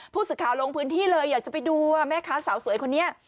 ผู้สื่อข่าวลงพื้นที่เลยอยากจะไปดูว่าแม่ค้าสาวสวยคนนี้